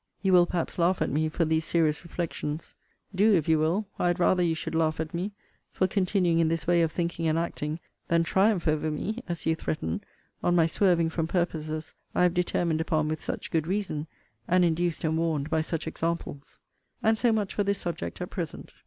You will, perhaps, laugh at me for these serious reflections. Do, if you will. I had rather you should laugh at me, for continuing in this way of thinking and acting, than triumph over me, as you threaten, on my swerving from purposes I have determined upon with such good reason, and induced and warned by such examples. And so much for this subject at present.